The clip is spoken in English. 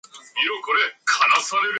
The Girling brakes were outboard all round.